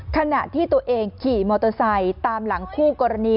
ขณะที่ตัวเองขี่มอเตอร์ไซค์ตามหลังคู่กรณี